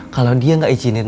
kalau dia gak izinin dia akan